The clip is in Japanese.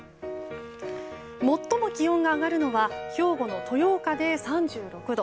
最も気温が上がるのが兵庫の豊岡で３６度。